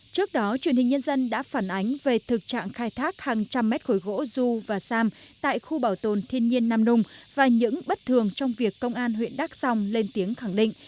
trước đó truyền hình nhân dân đã phản ánh về thực trạng khai thác hàng trăm mét khối gỗ du và sam tại khu bảo tồn thiên nhiên nam nung và những bất thường trong việc công an huyện đắk song lên tiếng khẳng định